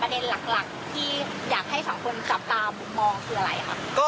ประเด็นหลักที่อยากให้๒คนกลับตามมองคืออะไรครับ